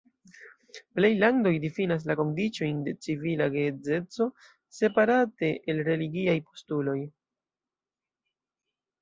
Plej landoj difinas la kondiĉojn de civila geedzeco separate el religiaj postuloj.